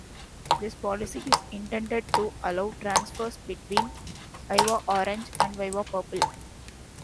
This policy is intended to allow transfers between Viva Orange and Viva Purple.